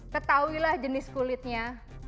ketahuilah jenis kulitnya